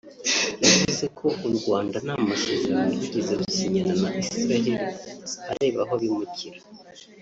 yavuze ko u Rwanda nta masezerano rwigeze rusinyana na Isiraheli areba abo bimukira